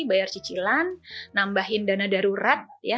bayar cicilan nambahin dana darurat ya